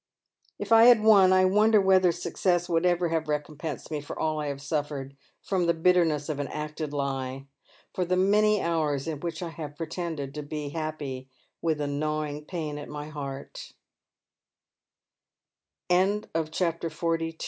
" If I had won I wonder whether success would ever have recompensed me for all I have suffered from the bitterness of an acted lie — for the many hours in Avhich I have pretended Ut be happy with a gnawing pain at nay heart